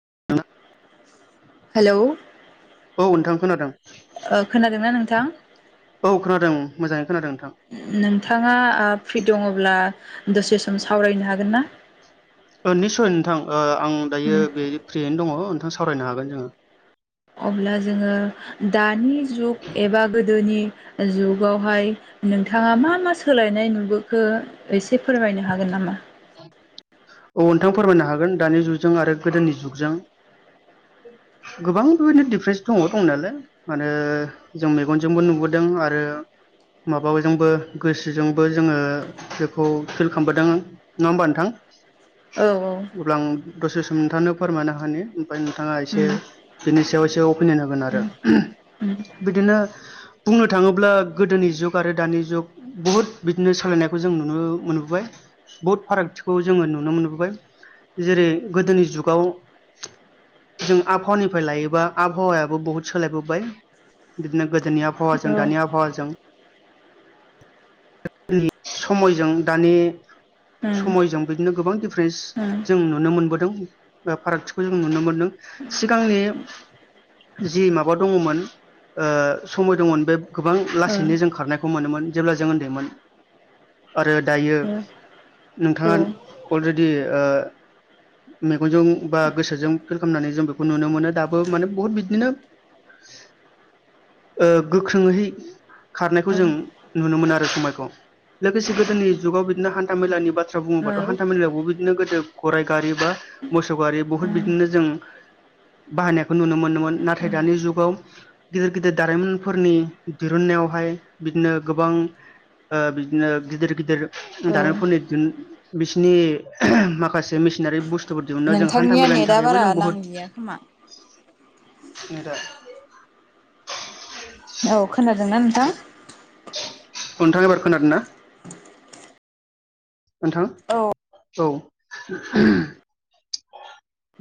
[unintelligible] Hello. औ नोंथां खोनादों। ओ खोनादोंना नोंथां। औ खोनादों मोजाङै खोनादों नोंथां नोंथाङा आ फ्रि दङब्ला दसे सम सावरायनो हागोन ना। अ निस्सय नोंथां ओ आं उम दायो बे फ्रियैनो दङ नोंथां सावरायनो हागोन जोङो। अब्ला जोङो दानि जुग एबा गोदोनि जुग गावहाय नोंथाङा मा मा सोलायनाय नुबोखो एसे फोरमायनो हागोन नामा। [unintelligible] औ नोंथां फोरमायनो हागोन दानि जुगजों आरो गोदोनि जुगजों [unintelligible] गोबां बेबायदिनो दिफारेन्स दङ दं नालाय माने जों मेगनजोंबो नुबोदों आरो माबाजोंबो गोसोजोंबो जोङो बेखौ फिल खालामबोदों नङा होमबा नोंथां। औ औ अब्ला आं दसे सम नोंथांनो फोरमायनो होनि ओमफ्राय नोंथाङा एसे उम बेनि एयाव एसे अपिनियन होगोन आरो। उम उम बिदिनो बुंनो थाङोब्ला गोदोनि जुग आरो दानि जुग बहुद बिदिनो सोलायनाय खौ जों नुनो मोनबोबाय बहुथ फारागथि। खौ जोङो नुनो मोनबोबाय जेरै गोदोनि जुगाव जों आबहावानिफ्राय लायोबा आबहावायाबो बहुत सोलायबोबाय बिदिनो गोदोनि आब औ हावाजों दानि आबहावाजों गोदोनि समयजों दानि उम समयजों बिदिनो गोबां दिफारेन्स उम जों नुनो मोनबोदों फारागथिखौ जों नुनो मोनदों। सिगांनि जि माबा दङमोन ओ समय दङमोन बे गोबां ओ लासैनो जों खारनायखौ मोनोमोन जेब्ला जों उन्दैमोन। आरो दायो ओ नोंथाङा अलरेडि ओ मेगनजों बा गोसोजों फिल खालामनानै जों बेखौ नुनो मोनो दाबो माने बहुत बिदिनो [unintelligible] ओ गोख्रोंहै खारनायखौ औ जों ओं नुनो मोनो आरो समायखौ लोगोसे गोदोनि जुगाव बिदिनो हान्था मेलानि बा थ्रा औ बुङोबाथ' उम हान्था मेलायावबो बे बिदिनो गोदो गराइ गारि बा मोसौ गारि बुहुत बिदिनो जों बाहायनायखौ नुनो मोनोमोन नाथाय दानि जुगाव गिदिर गिदिर दारिमिनफोरनि दिरुननाय। हाय बिदिनो गोबां ओ बिदिनो गिदिर गिदिर औ दारिमफोरनि बिसिनि माखासे मेसिनारि बुस बस्थुफोर दिहुना जों हान्था नोंथांनिया मेलानि नेटआ थाखायबो बारा जों बहद नांदिया खोमा [unintelligible] औ खोनादोंना नोंथां टखनथां एबार खोनादों ना। ओनथां औ औ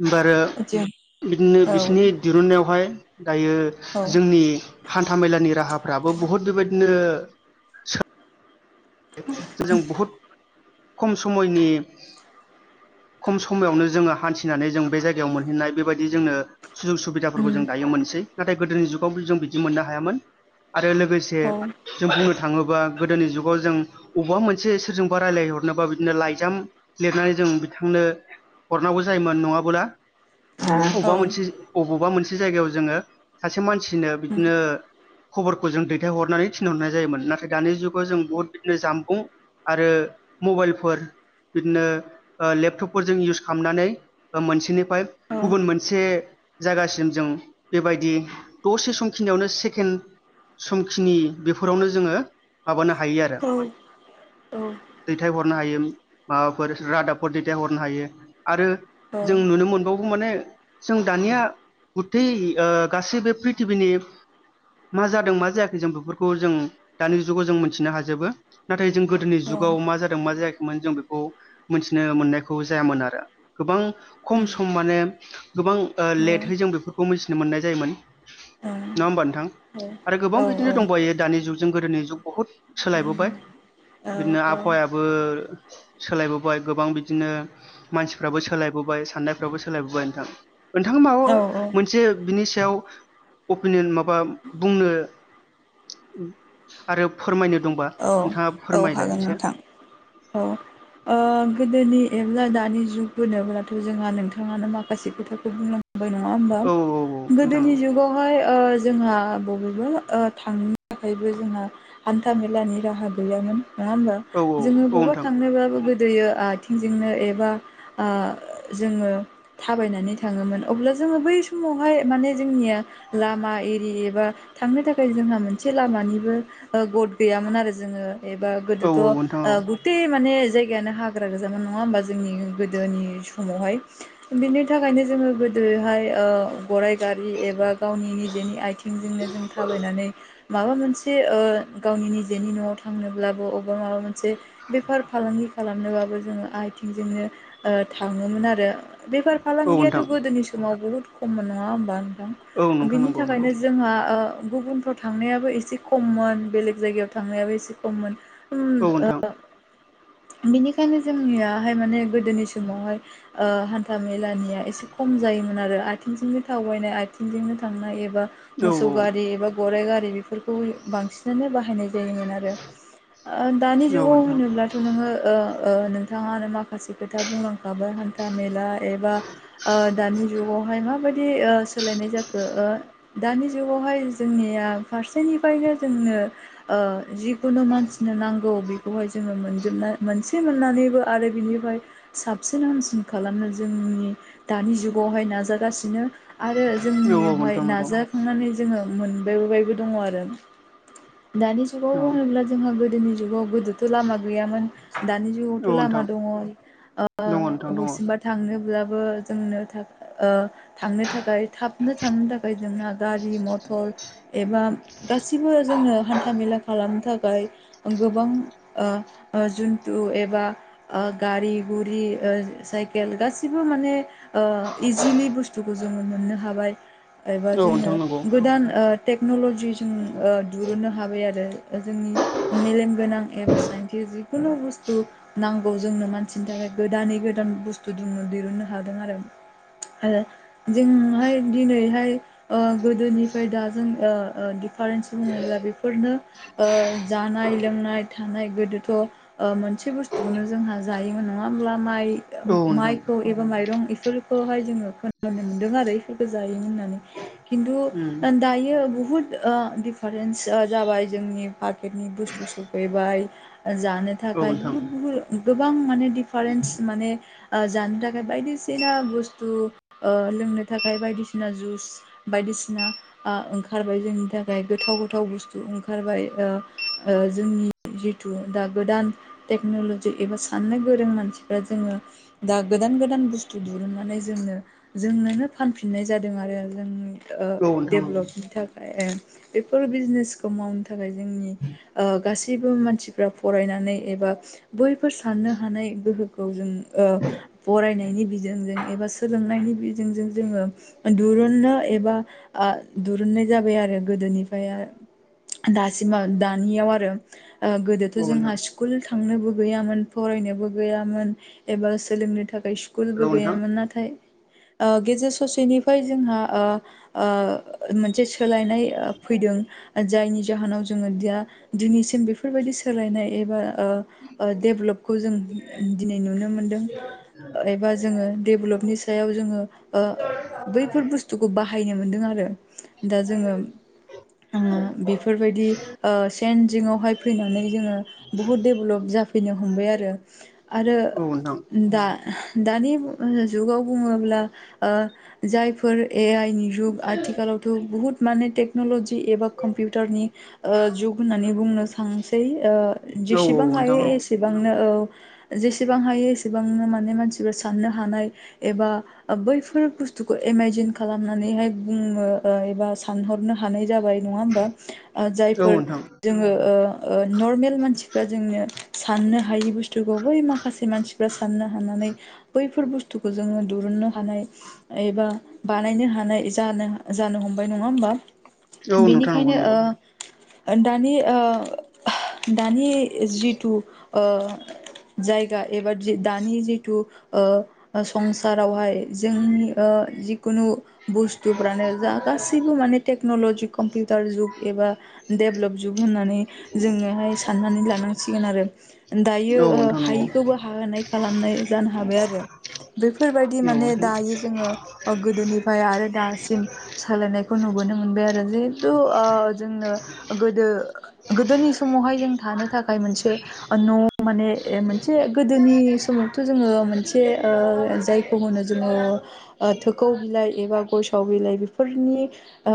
बारो जों बिदिनो औ बिसिनि दिरुननायावहाय दायो औ जोंनि हान्था मेलानि राहाफ्रा दाबो बहुत बेबायदिनो जों बहुद खम समयनि [unintelligible] खम समायावनो जोङो हान्थिनानै जों बे जायगायाव मोनहैनाय बेबायदि जोंनो सुजुग सुबिदाफोरखौ जों उम दायो मोनसै। नाथाय गोदोनि जुगाव जों बिदि मोननो हायामोन। आरो लोगोसे औ जों बुंनो थाङोबा गोदोनि जु जों अबावबा मोनसे सोरजोंबा रायजलायहरनोबा बिदिनो लाइजाम लिरनानै जों बिथांनो हरनांगौ जायोमोन नङाबोला औ अबबा मोनसे जायगायाव जोङो सासे मानसिनो उम बिदिनो खबरखौ जों दैथायहरनानै थिनहरनाय जायोमोन नाथाय दानि जुगाव जों बहुत बिदिनो जामबुं आरो मबाइलफोर बिदिनो लेपटपफोरजों इउस खालामनानै मोनसेनिफ्राय औ गुबुन मोनसे जायगासिम जों बेबायदि दसे समखिनियावनो सेकेन्ड समखिनि बेफोरावनो जोङो माबानो हायो आरो। औ औ दैथाय हरनो हायो माबाफोर रादाबफोर दैथायहरनो हायो आरो जों नुनो मोनबावो। माने जों दानिया गुथै ओ गासैबो प्रिथिबिनि मा जादों मा जायाखै जों बेफोरखौ जों दानि जुगाव जों मोन थिनो हाजोबो नाथाय जों गोदोनि उम औ जुगाव मा जादों मा जायाखै जों बेखौ मिथिनो मोननायखौ जायामोन आरो गोबां खम सम माने गोबां लेटहै जों बेफोरखौ मिथिनो मोननाय जायोमोन। नङा होमबा नोंथां आरो गोबां बिदिनो दंबावायो दानि जुगजों गोदोनि जुग बहुत सोलायबोबाय बिदिनो आबहावायाबो। सोलायबोबाय गोबां बिदिनो मानसिफ्राबो सोलायबोबाय साननायफ्राबो सोलायबोबाय नोंथां। ओन थाङा माबा औ मोनसे बिनि सायाव अपिनिन माबा बुंनो उम आरोब फोरमायनो दंबा औ हागोन एसे नोंथां औ औ गोदोनि दानि जुग होनोनोब्लाथ' जोंहा नोंथाङानो माखासे खोथाखौ बुंलां खाबाय नङा होमबा औ औ नोंथां गोदोनि जुगावहाय ओ जोंहा बहुथ थांनो थाखायबो जोंहा हान्था मेलानि राहा गैयामोन नङा होमबा औ जोङो बबा थांनोबाबो गो दैयो आथिंजोंनो एबा जोङो थाबायनानै थाङोमोन अब्ला जो जोङो बै समावहाय माने जोंनिया लामा एरि एबा थांनो थाखाय जोंहा मोनसे लामा निबो ओ गथ गैयामोन आरो जोङो गोदोथ औ नोंथां ओ औ औ गुथे माने। जायगायानो हाग्रा गोजामोन नङा होमबा जोंनि गोदोनि समावहाय बिनि थाखायनो जोङो गोदो। बेहाय ओ गराइ गारि एबा गावनि निजेनि आथिंजोंनो जों थाबायनानै माबा मोनसे ओ गावनि निजेनि न'आव थांनोब्लाबो अबेबा माबा मोनसे मोनसे बेफार फालांगि खालामनोबाबो जोङो आथिंजोंनो ओ थाङोमोन आरो बेफार नोंथां औ फालांगियाथ' नोंथां गोदोनि समाव बहुद खममोन नङा होमबा औ नोंथां बिनि नंगौ नंगौ थाखायनो जोंहा गुबुनफ्राव थांनायाबो एसे खममोन बेलेग जायगायाव थांनायाबो एसे खममोन उम औ ओ नोंथां बिनिखायनो जोंनियाहाय माने गोदोनि समावहाय ओ हान्था मेलानिया एसे खम जायोमोन आरो आथिंजोंनो थावबायनाय आथिंजोंनो थांनाय एबा औ नोंथां मोसौ औ गारि एबा गराइ गारि बेफोरखौ बांसिनानो बाहायनाय जायोमोन आरो ओ दानि जुगाव होनोब्लाथ' नोङो ओ ओ नोंथाङानो माखासे माखासे खोथा बुंलांखाबाय हान्था मेला एबा ओ दानि जुगावहाय माबायदि ओ सोलायनाय जाखो ओ दानि जुगावहाय जोंनिया फारसेनिफ्रायनो जोंनो ओ जि खौनो मानसिनो नांगौ बेखौहाय जोङो मोनजोबनो मोनसे मोननानैबो आरो बिनिफ्राय साब साबसिन हामसिन खालामनो जोंनि दानि जुगावहाय नाजागासिनो आरो औ जोंनियावहाय नोंथां नंगौ नाजाखांनानै जोङो मोनबायबोबायबो दङ आरो दानि जुगाव औ नोंथां दङ होनोब्ला जोंहा गोदोनि जुगाव थ' लामा गैयामोन दानि जुगावथ' लामा नोंथां दङ ओ दङ हसिमबा थांनो अब्लाबो जोंनो थाख ओ थांनो थाखाय थाबनो थांनो थाखाय जोंना गारि मथर एबा गासिबो जों जोंनो हान्था मेला खालाम थाखाय गोबां ओ ओ जुथु एबा ओ गारि गुरि ओ साइकेल गासिबो माने ओ इजिलि बुस्थुखौ जोङो मोननो हाबाय एबा औ जोङो नोंथां नंगौ गोदान ओ टेक्न'ल'जिजों ओ दिहुनो हाबाय आरो जोंनि मेलेमगोनां एबा साइन्टिस जिखुनु बुस्थु नांगौ जोंनो मानसिनि थाखाय गोदानै गोदान बुस्थु दनो दिरुननो हादों आरो आरो जोंहाय दिनैहाय अ' गोदोनिफ्राय दा जों ओ ओ डिफारेन्स बुङोब्ला बेफोरनो ओ जानाय लोंनाय थानाय गोदोथ' ओ मोनसे बुस्थुखौनो जोंहा जायोमोन नङा होनबा माइ औ नोंथां माइखौ एबा माइरं बेफोरखौहाय जोङो खोनानो मोनदों आरो इफोरखौ जायोमोन होननानै उम खिन्थु दायो बुहुत ओ दिफारेन्स ओ जाबाय जों पाकेटनि बुस्थु सफैबाय जानो औ थाखाय नोंथां बुहुत बुहुद गोबां माने डिफारेन्स माने ओ जानो थाखाय बायदिसिना बुस्थु ओ लोंनो थाखाय बायदिसिना जुस बायदि बायदिसिना ओ ओंखारबाय जोंनि थाखाय गोथाव गोथाव बुस्थु ओंखारबाय ओ ओ जोंनि जिथु दा गोदान टेकनलजि एबा साननो गोरों मानसिफ्रा जोङो दा गोदान गोदान गोदान बुस्थु दिरुननानै जोंनो जोंनोनो फानफिननाय जादों आरो जोंनि ओ औ नोंथां डेभेलपनि थाखाय बेफोर बिजनेसखौ मावनो थाखाय जोंनि ओ गासैबो मानसिफ्रा फरायनानै एबा बैफोर साननो हानाय गोहोखौ जों ओ फरायनायनि बिजोंजों एबा सोलोंनायनि बेजोंजों जोङो दुरुननो एबा ओ दुरुननाय जाबाय आरो गोदोनिफ्राय दासिम दानियाव आरो ओ गोदोथ' औ नोंथां जोंहा स्कुल थांनोबो गैयामोन फरायनोबो गैयामोन एबा सोलोंनो थाखाय हेलौ स्कुलबो गैयामोन नाथाय ओ गेजेर स'सेनिफ्राय जोंहा ओ ओ मोनसे सोलायनाय फैदों जायनि जाहोनाव जोङो दा दिनैसिम बेफोरबायदि सोलायनाय एबा ओ ओ देभलपखौ जों दिनै नुनो मोनदों। एबा जोङो डेभेलपनि सायाव जोङो ओ बैफोर बुस्थुखौ बाहाय हायनो मोनदों आरो दा जोङो बे बेफोरबायदि ओ सेन जिङावहाय फैनानै जोङो बुहुत डेभेलप जाफैनो हमबाय आरो। आरो नोंथां औ दा दानि जुगाव बुङोब्ला ओ जायफोर ए आइ नि जुग आथिखालावथ' बहुत माने टेक्न'लजि एबा कम टारनि जुग होननानै बुंनो सांसै। जेसेबां नोंथां हायो एसेबां औ जेसेबां हायो एसेबांनो माने मानसिया साननो हानाय एबा बै फोर बुस्थुखौ एमाइजिन खालामनानैहाय बुंनो एबा सानहरनो हानाय जाबाय होमबा औ नोंथां औ जायफोर नोंथां जोङो ओ नर्मेल मानसिफ्रा जोंनो साननो हायि बुस्थुखौ बै माखासे मानसिफ्रा साननो हानानै बैफोर बुस्थुखौ जोङो दुरुननो हानाय एबा बानायनो हानाय जानो जानो हमबाय नङा होमबा। औ नोंथां। नंगौ ओंखायनो नंगौ ओ दानि ओ दानि जिथु ओ जायगा एबा दानि जिथु ओ संसारावहाय जोंनि जि खुनु बुस्थुफ्रानो जा गासैबो माने टेक्न'लजि कम्पिउ टार जुग एबा डेभेलप जुग होननानै जोङोहाय साननानै लानांसिगोन आरो। दायो औ नोंथां नंगौ हायिखौबो हानाय खालामनाय जानो हाबाय आरो। बेफोरबायदि दि औ माने नोंथां दायो जोङो गोदोनिफ्राय आरो दासिम सोलायनायखौ नुबोनो मोनबाय आरो जे थु ओ जोंनो गोदो गोदोनि समावहाय जों थानो था खाय मोनसे न' माने मोनसे गोदोनि समावथ' जोङो मोनसे ओ जायखौ होनो जोङो थोखौ बिलाइ एबा गयसाव बिलाइ बेफोरनि ओ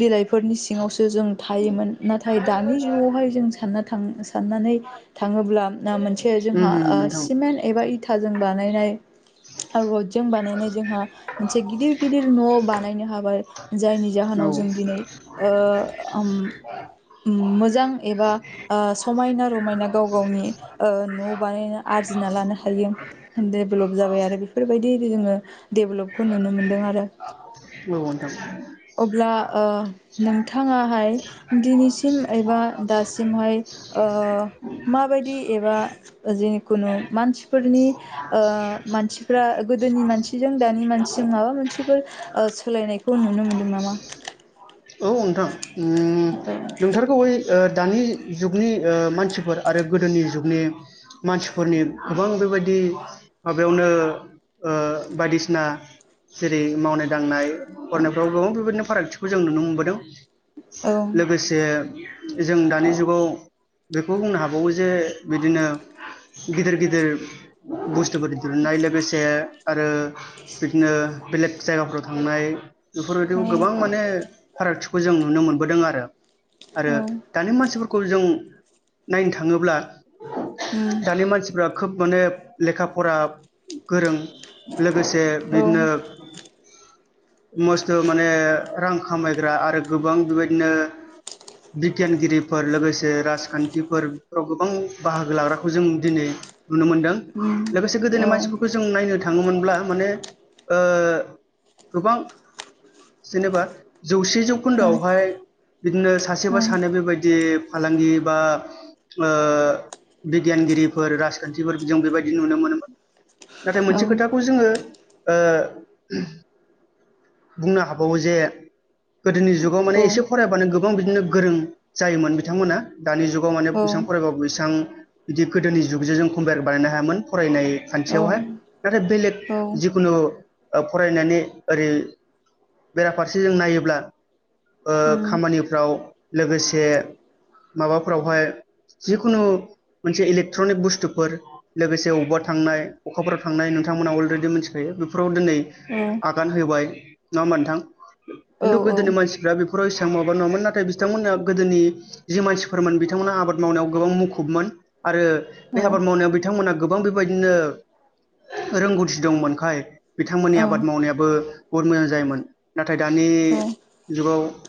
बिलाइ फोरनि सिङावसो जों थायोमोन। नाथाय दानि जुगावहाय जों सान्नाथां साननानै थां ङोब्ला मोनसे उम जोंहा उम नोंथां सिमेन्ट एबा इथाजों बानायनाय रडजों बानायनाय जोंहा मोनसे गिदिर गिदिर न' बानायनो हाबाय जायनि जाहोनाव औ जों दिनै ओ मोजां एबा ओ समायना रमायना गाव गावनि ओ न' बानायना आरजिना लानो हायो। डेभेलप जाबाय आरो बेफोरबायदि जोङो डेभेलपखौ नुनो मोनदों आरो। औ। अब्ला ओ नोंथाङाहाय दिनैसिम एबा दासिमहाय ओ माबा दि एबा जिखुनु मानसिनि ओ मानसिफोरा, गोदोनि सिजों दानि मानसि जों माबा मोनसे फोर ओ सोलायनायखौ नुनो मोनदों नामा? औ नोंथां [unintelligible] उम नोंथारगौयै ओ दानि जुगनि ओ मानसिफोर आरो गोदोनि जुगनि मानसिफोरनि गोबां बेफोरबायदि माबायावनो ओ बायदिसिना जेरै मावनाय दांनाय फरायनायफ्राव गोबां बेबायदिनो फारागथिखौ जों नुनो मोनबोदों। औ लोगोसे जों दानि जुगाव बेखौ बुंनो हाबावो जे बिदिनो गिदिर गिदिर बुस तुफोर दिरुननाय लोगोसे आरो बिदिनो बेलेक जायगाफोराव थांनाय बेफोरबायदिखौ गोबां औ माने फारागथिखौ जों नुनो मोनबोदों आरो। आरो औ दानि मानसिफोरखौ जों नायनो थाङोब्ला उम दानि मानसिफ्रा खोब माने लेखा फरा गोरों। लोगोसे औ बिदिनो मस्थ' माने रां खामायग्रा आरो गोबां बेबायदिनो। [inaudible] बिगियानगिरिफोर लोगोसे राजखान्थिफोर बेफोराव गोबां बाहागो लाग्राखौ जों दिनै नुनो मोनदों। औ औ लोगोसे गोदोनि मानसिफोरखौ जों नायनो थाङोमोनब्ला माने ओ गोबां जेनेबा जौसे जौखोन्दोआवहाय नो सासेबा सानै बेबायदि फालांगि बा। ओ बिगियानगिरिफोर राजखान्थिफोर जों बेबायदि नुनो मोनोमोन। नाथाय मोनसे खोथाखौ जोङो। ओ बुंनो हाबावो जे गोदोनि जुगाव माने एसे फरायबानो गोबां बिदिनो गोरों जायोमोन बिथांमोना। दानि जुगाव माने बेसिबां फरायबाबो बेसेबां बिदि गोदोनि जुगजों जों कम्पयार बानायनो हायामोन फरायनाय खान्थियावहाय नाथाय बेलेग जिखुनु फरायनानै ओरै बेराफारसे जों नायोब्ला ओ खामानिफ्राव लोगोसे माबाफ्रावहाय जिखुनु मोनसे इलेक्ट्रनिक बुस्थुफोर लोगोसे बबावबा थांनाय अखाफोराव थांनाय न नोंथांमोना अलरेडि मिथिखायो बेफोराव दिनै आगान होबाय नङा होबा नोंथां? किनथु गोदोनि मानसिफ्रा बे माबा नङामोन नाथाय बिथांमोना गोदोनि जि मानसिफोरमोन बिथांमोना आबाद मावनायाव गोबां मुखुबमोन। आरो। बे आबाद मावनायाव बिथांमोनहा गोबां बेबायदिनो रोंगौथि दंमोनखाय। बिथांमोननि औ आबाद मावनायाबो बहुत मोजां जायोमोन नाथाय दानि औ जुगाव